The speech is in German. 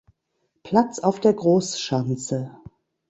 Platz auf der Großschanze.